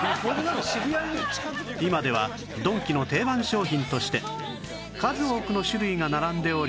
今ではドンキの定番商品として数多くの種類が並んでおり